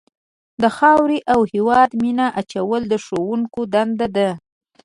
د خاورې او هېواد مینه اچول د ښوونکو دنده ده.